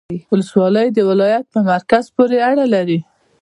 ولسوالۍ د ولایت په مرکز پوري اړه لري